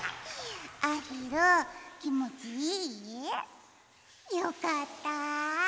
あひるんきもちいい？よかった！